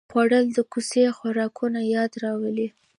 خوړل د کوڅې خوراکونو یاد راولي